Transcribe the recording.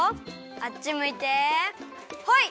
あっちむいてホイ！